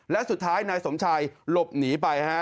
และสุดท้ายนายสมชัยหลบหนีไปฮะ